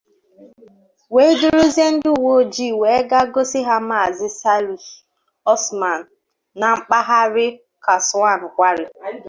wee duruzie ndị uweojii wee gaa gosi ha Maazị Salisu Usman na mpaghara Kasuwan-Gwari